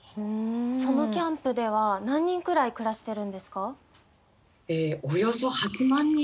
そのキャンプでは何人くらい暮らしてるんですか？